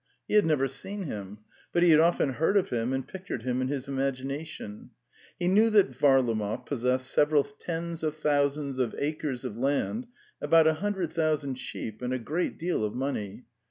He had never seen him. But he had often heard of him and pictured him in his imagination. He knew that Varlamov possessed several tens of thousands of acres of land, about a hundred thousand sheep, and a great deal of money.